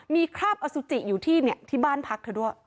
มีคราบอสุจิอยู่ที่บ้านพักเธอด้วย